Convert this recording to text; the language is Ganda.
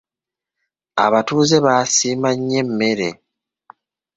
Abatuuze baasiima nnyo emmere.